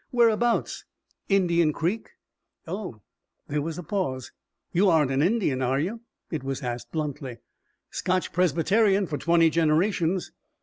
Whereabouts?" "Indian Creek." "Oh." There was a pause. "You aren't an Indian, are you?" It was asked bluntly. "Scotch Presbyterian for twenty generations."